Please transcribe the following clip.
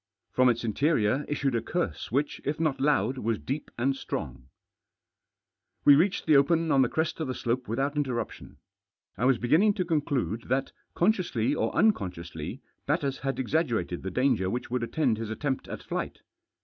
From its interior issued a curse which, if hot loud, was deep and strong; We reached the open on the crest of the slope without irtterruptioh. I Was beginning to conclude that, consciously or unconsciously, Batters had ex aggerated the dahgef* which would attend his atfeiftjat at flight.